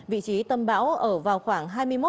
vị trí tâm bão ở vào khoảng